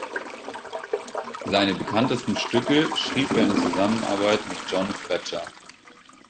Seine bekanntesten Stücke schrieb er in Zusammenarbeit mit John Fletcher.